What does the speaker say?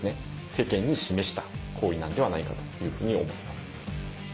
世間に示した行為なのではないかというふうに思います。